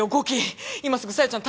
今すぐ小夜ちゃん